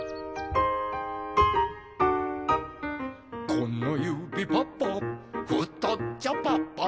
「このゆびパパふとっちょパパ」